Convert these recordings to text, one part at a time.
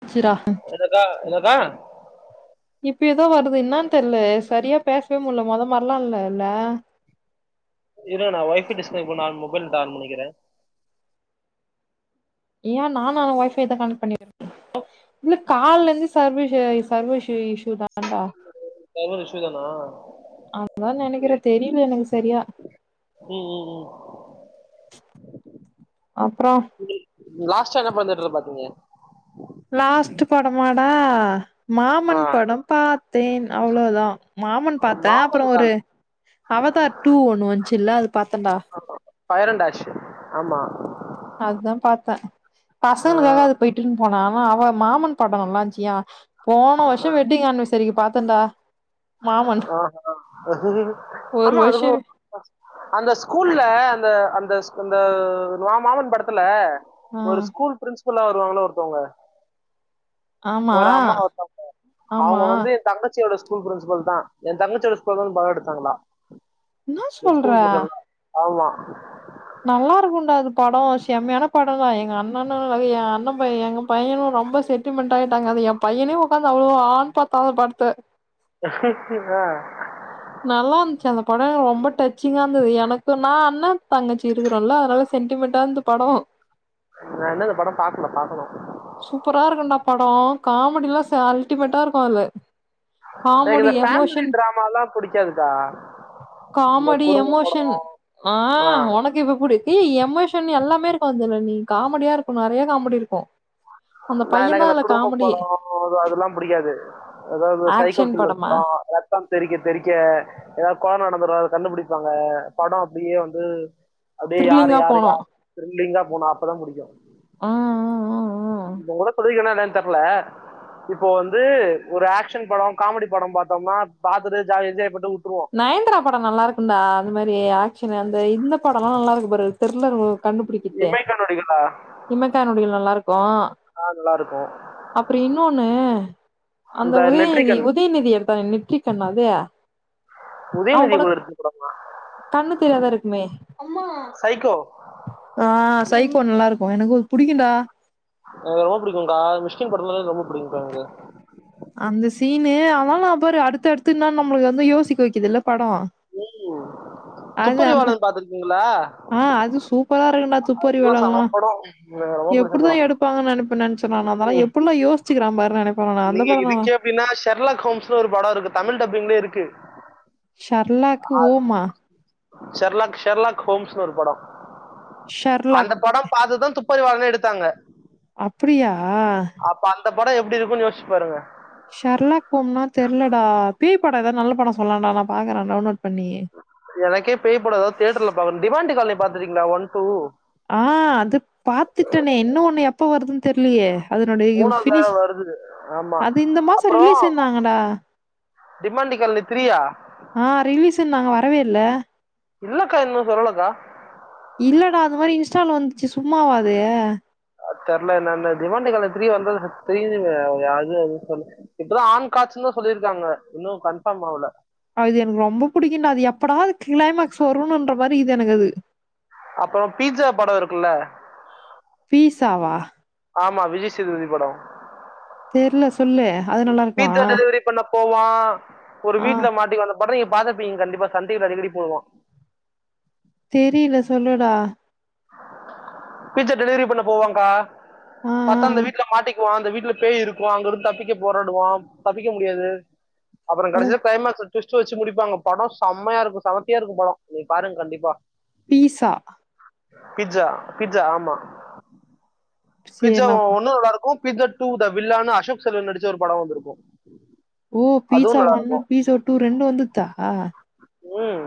போச்சுறா [unintelligible] இப்ப எதோ வருது இன்னான் தெர்ல சரியா பேசவே முட்ல மொத மார்லா இல்லல இருங்க நா ஒய்ஃபை டிஸ்கனெக்ட் பண் நான் மொபைல் நெட் ஆன் பண்ணிக்கிறே ஏ நானு அதா ஒய்ஃபை தா கனெக்ட் பண்ணிருக்கே இல்ல கால்லருந்து சர்வீஷு சர்வ இஷு இஷ்யூ தான்டா சர்வர் இஷ்யூதானா அதுதா நெனைக்கிறே தெரில எனக்கு செரியா ஓ ஓ ஓ அப்றோ ம் லாஸ்ட்டா என்ன பட தேட்டர்ல பாத்தீங்க லாஸ்ட்டு படமாடா ஆ மாமன் பட பாத்தேன் அவ்ளோதா மாமன் பாத்தே அப்பற மாமன் தான் ஒரு அவதார் டூ ஒன்னு வந்ச்சுல அது பாத்தன்டா ஃபயர் உண்டாச்சு ஆமா அதுதா பாத்தே ஆ, பசங்களுக்காக அது கூட்டுன் போனா அவ அவ மாமன் பட நல்லாந்ருச்சியா போன வர்ஷ வெட்டிங் ஆன்வெசரிக்கு பாத்தண்டா ஆ ஹா ஒரு ஆமா வருஷோ அதுக்குனு அந்த ஸ்கூல்ல அந்த அந்தஸ் அந்த மா மாமன் படத்துல ஆ ஒரு ஸ்கூல் பிரின்ஸ்பலா வருவாங்கள ஒருத்தவ்ங்க ஆமா ஒரு அம்மா ஒருத்தவ்ங்க ஆமா அவ்ங்க வந்து தங்கச்சியோட ஸ்கூல் பிரின்சிபல் தா எ தங்கச்சியோட ஸ்கூல வந்து பட எடுத்தாங்களா என்னா இந்த சொல்ற ஸ்கூல் [unintelligible] ஆமா நல்லா இருக்குண்டா அது பட செம்மையான படந்தா எங்க அண்ணன்னு அது எ அண்ண பைய எங்க பையனு ரொம்ப சென்டிமெண்ட் ஆயிட்டாங்க அது எ பையனே ஒக்காந்து அவ்ளோ ஆன்னு பாத்தா அந்த படத்த ஆ நல்லா இருந்துச்சு அந்த பட ரொம்ப டச்சிங்கா இருந்தது எனக்கு நா அண்ணந் தங்கச்சி இருக்குறோல்ல அதுனால சென்டிமெண்ட்டா இருந்து பட நா இன்னு இந்த பட பாக்கல பாக்கணு சூப்பரா இருக்குண்டா பட காமெடிலா ச அல்டிமேட்டா இருக்கு அதுல எனக்கு காமெடி இந்த ஃபேமாலி எமோஷன் ட்ராமாலா புடிக்காதுக்கா காமெடி எமோஷன் ஆ ஆஹ் ஒனக்கு இது புடிக் ஏ எமோஷன் எல்லாமே இருக்கு அதுல நீ காமெடியா இருக்கு நெறையா காமெடி இருக்கு அந்த நா பையன் தா எனக்கு அந்த அதுல குடும்பப் காமெடி படோ அது அதெல்லா புடிக்காது அதாவ்து இந்த சைக்கோ ஆக்ஷன் திரில்லர் படமா பட ரத் தம் தெரிக்க தெரிக்க எதாவ்து கொல நடந்துரு அத கண்டுபுடிப்பாங்க பட அப்டியே வந்து அப்டியே யாரு த்ரில்லிங்கா யாரு போனு யாரு திரிலிங்கா போனு அப்பதா புடிக்கு ஆ ஆ ஆ ஆ இத உங்கட்ட சொல்லிருக்கனா என்னன் தெர்ல இப்போ வந்து ஒரு ஆக்க்ஷன் பட காமெடி பட பாத்தம்னா அத பாத்துட்டு ஜாலியா என்ஜாய் பண்ணிட்டு விட்ருவோ நயன்தாரா பட நல்லா இருக்குன்டா அந்த மாரி ஆக்க்ஷன் அந்த இந்த படலா நல்லா இருக்கு பாரு திரிலர் ஓ கண்டுபிடிக் இப்ப இமைக்கன் நடிகளா இமைக்கா நொடிகள் நல்லா இருக்கு நல்லா இருக்கும் அப்றோ இன்னொன்னு அந்த இந்த உதயநிதி நெட்ரிகன் உதயநிதி எடுத்தானே நெற்றிக் கண் அதயா அவங் உதயநிதி கூட எடுத்து படம் கண்ணு தெரியாதா இருக்குமே சைக்கோ ஆ சைக்கோ நல்லா இருக்கு எனக்கு அது புடிக்குன்டா அ எனக்கு ரொம்ப புடிக்குங்க்கா மிஷ்கின் படனாலே எனக்கு ரொம்ப புடிக்குங்க்கா எனக்கு அந்த சீனு அமலா பாரு அடுத்து அடுத்து என்னா நம்மளுக்கு வந்து யோசிக்க வைக்குது இல்ல படம் உம் துப்பறிவாளர் பாத்துருக்கீங்களா ஆ அது சூப்பரா இருக்குன்டா சம துப்பறிவாளளான் படம் எனக்கு ரொம்ப பிடிச்ச எப்படிதான் படம் எடுப்பாங்கன்னு நினைப்ப நினைச்ச நானு அதனால எப்டியெல்லாம் யோசிச்சி நடிச்சிருக்கான் பாருல்லா நெனைப்பன் நானு அந்த நீங்க படம் நானா இதுக்கே அப்டின்னா ஷர்லாக் ஹோம்ஸ்ன்னு ஒரு படம் இருக்கு தமிழ் டப்பிங்லே இருக்கு ஷர்லாக்கு அ ஓமா ஷெர்லாக் ஷெர்லாக் ஹோம்ஸ்னு ஒரு படம் அந்த ஷர்லாக் படம் பாத்துதான் துப்பறிவாளன் எடுத்தாங்க அப்படியா அப்ப அந்த படம் எப்டி இருக்கும்ன்னு யோச் பாருங்க ஷெர்லாக் ஹோம்னா தெர்லடா பேய் படம் ஏதாது நல்ல படம் சொல்லன்டா நா பாக்குறேன் டவுன்லோட் பண்ணி எனக்கே பேய் படம்தா தியேட்டர்ல பாக்கனும் டிமாண்டி காலனி பாத்துருக்கிங்களா ஒன் டூ ஆ அது பாத்துட்டேனே இன்னும் ஒண்ணு எப்ப வருதுன்னு தெரிலயே அதனுடைய மூணாவது தடவை ப்னிஷ் வருது ஆமா அது இந்த மாசம் அப்புறம் ரிலீஸ்ன்னாங்கடா டிமாண்டி காலனி த்ரீயா ஆ ரிலீஸ்ஸுன்னாங்க வரவே இல்ல இல்லக்கா இன்னும் சொல்லலக்கா இல்லடா அந்த மாரி இன்ஸ்டால வந்துச்சி சும்மாவா அது அது தெர்ல என்னன்னு டிமாண்டி காலனி த்ரீ வந்தது த்ரீ அது சொல்லி இப்பதான் ஆண் காட்சன்னு சொல்லியிருக்காங்க இன்னும் கன்ஃபார்ம் ஆவுல அது எனக்கு ரொம்ப புடிக்கும்ண்டா அது எப்படா அது கிளைமேக்ஸ் வரும்ணுன்ற மாரி இருக்கிது எனக் அது அப்புறம் பீட்சா படம் இருக்குல்ல பீட்சாவா ஆமா விஜய்சேதுபதி படம் தெர்ல சொல்லு அது நல்லா இருக்குமா பீட்சா [unintelligible] போவான் ஒரு ஆ வீட்டுல மாட்டிக்குவ அந்த படம் நீங்க பாத்துருப்பீங்க கண்டிப்பா சன்டிவில அடிக்கடி போடுவான் தெரில சொல்லுடா பிட்சா டெலிவரி பண்ண போவாங்கா ஆ ஆ பாத்தா அந்த ஆ. வீட்ல மாட்டி க்குவா அந்த வீட்ல பேய் இருக்கும் அங்க இருந்து தப்பிக்க போராடுவா தப்பிக்க முடியாது அப்புறம் ஓ கடைசியா கிளைமேக்ஸ்ல ட்விஸ்ட் வச்சி முடிப்பாங்க படம் செம்மையா இருக்கும் செமத்தியா இருக்கும் படம் நீங்க பாருங்க கண்டிப்பா பீட்சா பிட்சா பிட்சா ஆமா சரி பிட்சா நான் பா ஒன்னும் நல்லா இருக்கும் பிட்சா டூ த வில்லன்னா அசோக் செல்வன் நடிச்ச ஒரு படம் வந்துருக்கும் ஓ பீட்சா ஒன்னு பீட்சா டூ ரெண்டும் வந்துதா உம்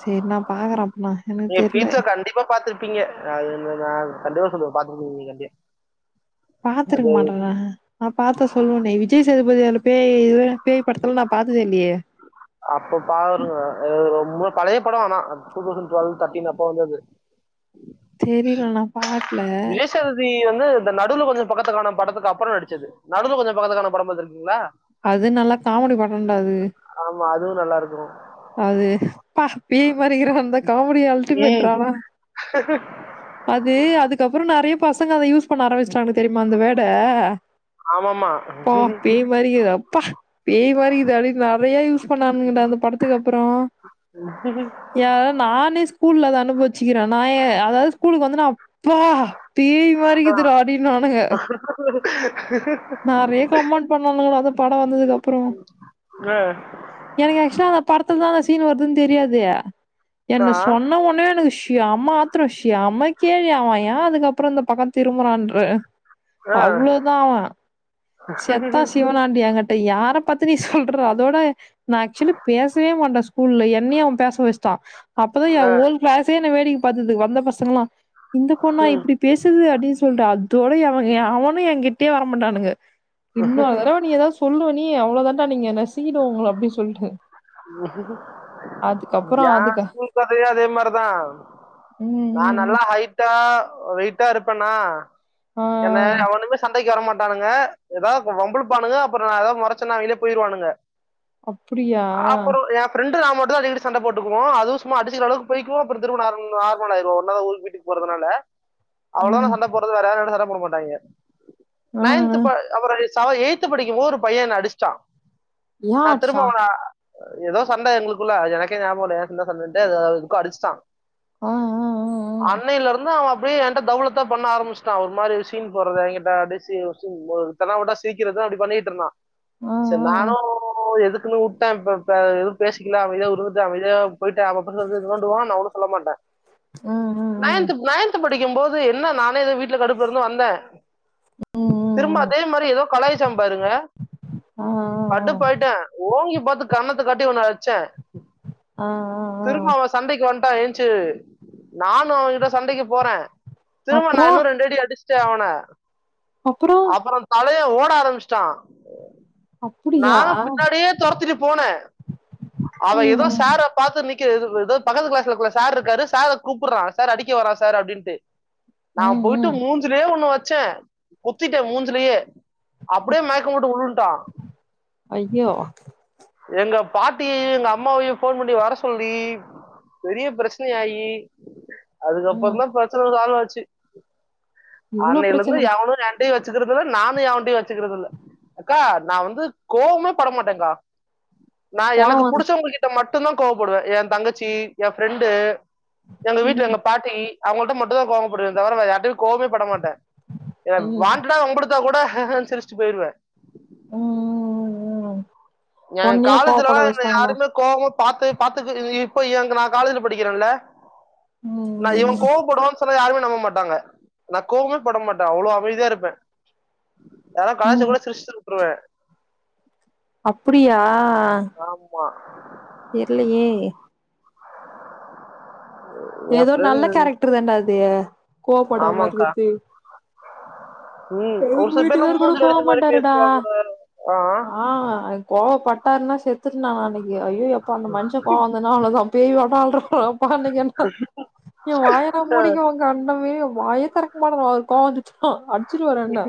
சேரி நா பாக்குறேன் அப்னா எனக்கு தெரில இப்ப பாத்துருப்பீங்க கண்டிப்பா சொல்லுவேன் பாத்துருப்பீங்க நீங்க கண்டிப்பா பாத்துருக்க அது மாட்டல நா பாத்தா சொல்லுவனே விஜய் சேதுபதி பேய் பேய் படத்துல நா பாத்ததே இல்லையே அப்ப பாருங்க அது ரொம்ப பழைய படம் ஆனா டூ தௌசண்ட் டுவெல் தேர்ட்டின் அப்ப வந்தது தெரில நா பாக்கல விஜய் சேதுபதி வந்து இந்த நடுவுல கொஞ்சம் பக்கத்த கானும் படத்துக்கு அப்புறம் நடிச்சது நடுவுல கொஞ்சம் பக்கத்தக்கானும் படம் பாத்துருக்கீங்களா அது நல்லா காமெடி படம்டா அது ஆமா அதுவு நல்லா இருக்கனோ அது பா பேய் மாரி கிற அந்த காமெடி ம் அல்டிமேட்ராலா அது அதுக்கப்புறோ நறைய பசங்க அத யூஸ் பண்ண ஆரம்பிச்ட்டாங்க தெரியுமா அந்த வேர்ட ஆமாமா ப்பா பேய் மாரிகீது அப்பா பேய் மாரிகீது அடே நறையா யூஸ் பண்ணானுங்க அந்த படத்தக்கு அப்பறோ ஏன்னா நானே ஸ்கூல்ல அத அனுபவிச்சிக்கிறே நாயே அதாவது ஸ்கூலுக்கு வந்தநா ப்பா பேய் மாறிக்குதுடா அப்டீன்னுவானுங்க நறையா கமெண்ட் பண்ணுவானுங்கடா அதுவு படோ வந்ததுக்கப்புறோ அ எனக்கு ஆக்சல அந்த படத்துலதா அந்த சீன் வருதுன்னு தெரியாதே என்ன ஆ சொன்ன ஒன்னே எனக்கு செயமாத் ஷியம கேள்வி அவ ஏ அதுக்கப்புறோ இந்த பக்கோ திரும்புறான்ற ஆ அவ்ளோதா அவ செத்தா சிவனாண்டி எங்கிட்ட யார பத்தி நீ சொல்ற அதோட நா ஆக்சுவலி பேசவே மாட்டே ஸ்கூல்ல என்னயே அவ பேச வெச்ட்டா அப்பதா எ ஆ ஓல் க்ளாசே என்ன வேடிக்க பாத்தது வந்த பசங்கங்கலா இந்த பொண்ணா இப்டி பேசுது அப்டீன்னு சொல்ற அதோட எவ எவனோ ஏ கிட்டயே வரமாட்டானுங்க இன்னோரு தடவ நீ எதாவ சொல்லுவ நீ அவ்வளோ தாண்டா நீங்க நசிங்கிடுவ உங்கள அப்டின்னு சொல்ட்ட உஹம் ஏ அதுக்கா ஸ்கூல் கதையோ அதே மாதிரிதா ம் நா ம் ம் நல்லா ஹைட் டா வெய்ட்டா இருப்பனா ஆ என்ன எவனுமே சண்டைக்கு வர மாட்டானுங்க எதாவது வம்பிழுப்பானுங்க அப்பறோ நா எதாவது மொறச்சனா அவிங்களே போயிருவானுங்க அப்பிடியா ப்ரெண்டு நா மட்டுந்தா அடிக்கடி சண்ட போட்டுக்குவோ அதுவு சும்மா அடிச்சுக்குற அளவுக்கு போயிக்குவோ அப்புறோ திரும்போ நார்மளாயிடுவோ ஒன் அவரு ஒரு மின்ட்டுக்கு போறதுனால அவ்வளவா நா ம் சண்ட போறது வேற யாரோடவோ சண்ட போட மாட்டாய்ங்க ஆ நைன்த்து ஆ ப அப்புறோ செவ எயி்த்து படிக்கும் வோரு பைய என்ன அடிச்ட்டா ஏ நா அடிச்சா திரும்போ அவன ஏதோ சண்ட எங்குளுக்குள்ள எனக்கே ஞாபகோ இல்ல ஏ சண்ட சண்டேன்ட்டு அதுஎதுக்கோ அடிச்ட்டா ஆ ஆ அன்னைல இர்ந்து அவப் டியே எ கிட்ட தவளத்தா பண்ண ஆரம்பிச்ட்டா அவ ஒரு மாரி சீன் போடுறது எ கிட்ட அப்டீயே சீ சீன் போட்றது தெனாவுட்டா சிரிக்கறது அப்புடி பண்ணிட்ர்ந்தா ஆ ஆ ஆ செரி நானு எதுக்குன்னு உட் ட இப்பப்ப எதுவு பேசிக்கல அமைதியா உருன்ந்த அமைதியா போயிட்ட அவ பர்ச எடுத்து நோன்டுவா நா ஒன்னோ சொல்ல மாட்டே ம் ஹு நைன்த்து நைன்த்து படிக்கும் போது என்ன நானே எதுவோ வீட்ல கடுப்புல இர்ந்து வந்தே ம் ம் திரும்ப ம் அதே மாரி எதோ கலாய்ச்சா பாருங்க ஆ கடுப்பாயிட்டே ஓங்கி பாத்து கன்னத்து காட்டி ஒன்னு அச்சே ஆ ஆ ஆ சண்டைக்கு வந்த்ட்டா ஏன்ச்சு நானு அவகிட்ட சண்டைக்கு போறே திரும்போ நா அப்றோ இன்னு ரெண்டு அடிச்சட்டே அவன அப்றோ அப்புறோ தலைய ஓட ஆரம்பிச்சிட்டா அப்டியா நானு பின்னாடியே தொரத்திட்டு போனே அவ ம் எதோ ம் சாரு இத பாத்து நிக்குது இ இதோ பக்கத்து கிளாஸ்ல சார் இருக்காரு சார கூப்புட்றா சார் அடிக்க வரா சார் அப்டீன்ட்டு நா ம் போயிட்டு ம் மூஞ்சுலயே ஒண்ணு வெச்சே குத்திட்டே மூஞ்சுலயே அப்டியே மயக்க போட்டு உழுந்ட்டா அய்யோ எங்க பாட்டியையும் எங்க அம்மாவையும் ஃபோன் பண்ணி வர சொல்லி பெரிய பிரச்சனையாயி ம் அதுக்கப்பறம் தா பிரச்சன ஆன் ஆச்சு இவ்ளோ அன்னையிலந்து பிரச்சன எவனும் ரேன்ங் ட்டயும் வச்சுக்கிறது இல்ல நானும் எவன்ட்டையு வச்சுக்கிறது இல்ல அக்கா நா வந்து கோவமே பட மாட்டேன்க்கா நா எனக்கு பாவோ அது. புடிச்சவங்க கிட்ட மட்டும் தா கோவப்படுவ என் தங்கச்சி என் ஃப்ரெண்டு எங்க வீட்ல ம் எங்க பாட்டி அவங்கள்ட்ட மட்டு தா கோவப்படுவ தவிர வேற யார்ட்டையும் கோவமே படமாட்ட எ ம் ம் வான்ட்டடா வம்புடுத்தா கூட சிர்ச்சுட்டு போய்டுவ ம் ம் ம் ம் எங்க காலேஜ்லலா எங்கள யாருமே கோவமா பாத்து பாத்து இப்போ எங்க நா காலேஜ்ல படிக்கிறேன்ல நா இவன் ம் கோவம் படுவான் சொன்னா யாருமே நம்ப மாட்டாங்க நா கோவமே பட மாட்ட அவ்ளோ அமைதியா இருப்ப யாருன்னா கலாய்ச்சா ம் கூட சிர்ச்சி விட்ருவ அப்படியா ஆமா தெர்லியே என் ஏதோ நல்ல ஃப்ரெண்ட் கேரக்டர் தான்ட அது கோவப்படமா ஆமாங்கக்கா இருக்குற்த்து ம் ஒரு எங் சில பேர்லாம் வீட்டுக்காரு கூட மூஞ்சில கோவ அடிச்ச மாதிரி மாட்டாருடா பேசுவாங்க ஆ கோவப்பட்டாருன்னா செத்துட்ட நா அன்னிக்கு ஐய்யோ எப்பா அந்த மன்ஷ கோவங் வந்தா அவ்ள தா பேய் வாட்டோ ஆட்ரு யப்பா அன்னைக்கு என்ன என் வாய நா ஆ, மூடிக்குவங்க அந்தமேரி வாயே தெறக்கமாட்டங்க அவுருக்கு கோவம் வந்துச்சுன்னா அட் அச்சிடு வாரு என்ன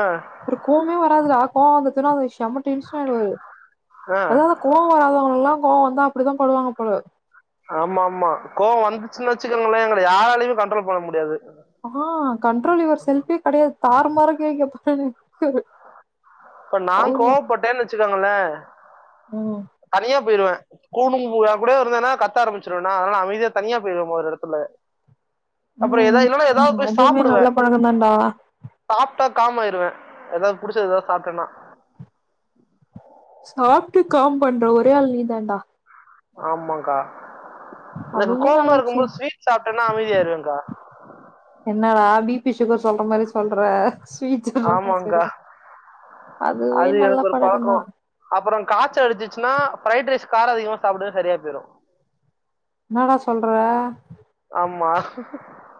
ஆ, அவுருக் கோவமே வராதுடா கோவம் வந்துச்சுன்னா அவுர் செம்ம டென்ஷன் ஆய்டுவாரு ஆ. அதா அந்த கோவோ வராதவங்கல்லா கோவம் வந்தா அப்டிதா படுவாங்க போல ஆமாமா கோவம் வந்துச்சுனச்சக்கங்களே எங்கள யாராலுயு கண்ட்ரோல் பண்ண முடியாது ஆ கண்ட்ரோல் யுவர் செல்ஃப்பே கெடையாது தாருமாரா கேய் கேப்பாரு எங்க வீட்டுக்காரு இப்ப நான் கோவப்பட்டேன் வச்சுக்கங்கள ம் தனியா போய்டுவ கோமதிங்கூட என் கூடவே இருந்ததுன்னா கத்த ஆரம்பிச்சிருவ நா அதனால அமைதியா தனியா போயிடுவ ஒரு எடத்துல அப்புறோ எதாவ் ம் இன்னொன்னு எதாவ் ம் போய் அதுவுமே சாப்புடுவ நல்ல பழக்கந்தான்டா சாப்ட்டா காமாயிருவ எதாவ் புடிச்சது எதாவ் சாப்ட்டன்னா சாப்ட்டு காம் பண்ற ஒரே ஆள் நீ தான்டா ஆமாங் கா எனக்கு அதுவுமே கோவமா நல்ல விஷயந்தா இருக்கும்போது ஸ்வீட் சாப்ட்டனா அமைதிய ஆய்டுவங்க்கா என்னடா பி பி சுகர் சொல்ற மாரி சொல்ற ஸ்வீட்ஸ்ல தா கா சரி ஆமாங்கா ஆய் அதுவே நல்ல பழக்கம் தா அப்பறம் காய்ச்ச அடிச்சிச்சுன்னா ஃப்ரைட் ரைஸ் காரோ அதிகமா சாப்டுவ சரியா போய்டும் என்னடா சொல்ற ஆமா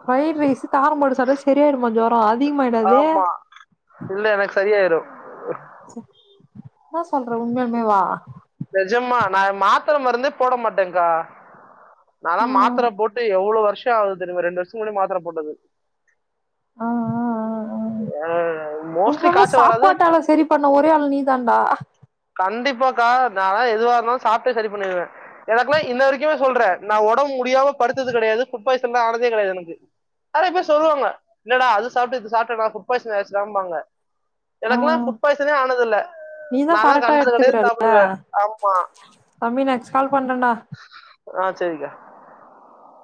ஃப்ரைட் ரைஸு காரம் போட்டு சாப்ட்டா சரி ஆயிடுமா ஜோரம் அதிகமாயிடாது உள்ள எனக்கு சரியாயிடும் இன்னா சொல்ற உண்மையாலுமே வா நெஜமா நா மாத்திர மருந்தே போட மாட்டேங்க்கா நா லா ஆ மாத்திர போட்டு எவ்ளோ வருஷோ ஆகுது தெரியுமா ரெண்டு வருஷ முன்னாடி மாத்திர போட்டது ஆ மோஸ்ட்லி புன்னல காய்ச்சல் வராது சாப்பாட்டால சரி பண்ண ஒரே ஆள் நீதான்டா கண்டிப்பாக்கா நாலா எதுவா இருந்தாலும் சாப்ட்டே சரி பண்ணிடுவேன் எனக்குல்லாம் இன்ன வரைக்குமே சொல்றேன் நா ஒடம்முடியாம படுத்தது கடையாது ஃபுட் பாய்சன் எல்லா ஆனதே கடையாது எனக்கு நறைய பேர் சொல்லுவாங்க என்னடா அது சாப்ட்டு இது சாப்ட்ட ஃபுட் பாய்சன் ஆயிடுச்சா ஆம்பாங்க ஆ எனக்கல்லாம் புட் பாய்சனே ஆனத இல்ல நீதா நால்லாம் கரெக்டா கண்ட கடைல எடுத்துக்கிறல்ல சாப்டுவேன் ஆமா தம்பி நெக்ஸ்ட் கால் பண்றேன்டா ஆ சரிக்கா